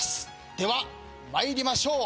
では参りましょう。